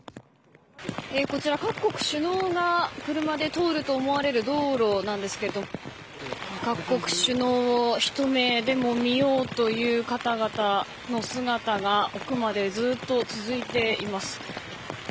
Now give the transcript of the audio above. こちら、各国首脳が車で通ると思われる道路なんですけど各国首脳をひと目でも見ようという方々の姿が奥までずっと続いています。